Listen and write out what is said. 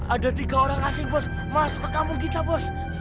ada tiga orang asing bos masuk ke kampung kita bos